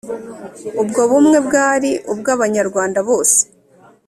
ubwo bumwe bwari ubw'abanyarwanda bose: